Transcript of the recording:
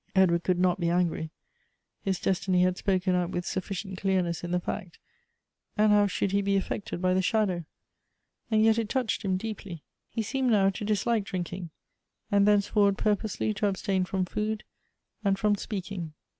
Edward could not be angry. His destiny had spoken out with suflScient clearness in the fact, and how should he be affected by the shadow? and yet it touched him deeply. He seemed now to dislike drinking, and thence forward purposely to abstain from food and from speak ing.